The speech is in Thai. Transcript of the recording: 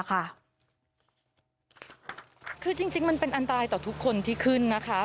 คือจริงมันเป็นอันตรายต่อทุกคนที่ขึ้นนะคะ